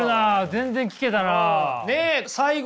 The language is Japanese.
全然聞けたな。